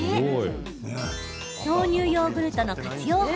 豆乳ヨーグルトの活用法。